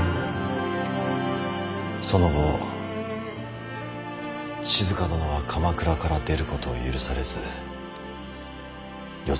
その後静殿は鎌倉から出ることを許されずよ